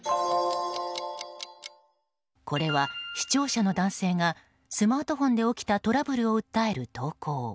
これは、視聴者の男性がスマートフォンで起きたトラブルを訴える投稿。